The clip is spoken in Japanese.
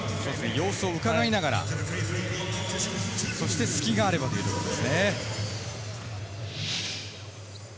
様子をうかがいながら、そして隙があればということですね。